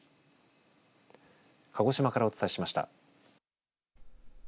鹿児島からお伝えしました。